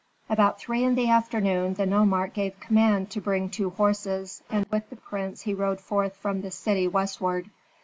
About three in the afternoon, the nomarch gave command to bring two horses, and with the prince he rode forth from the city westward.